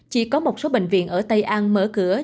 chỉ có một số bệnh viện ở tây an mở cửa